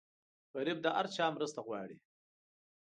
غریب د هر چا مرسته غواړي